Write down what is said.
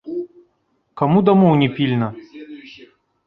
Каму дамоў не пільна?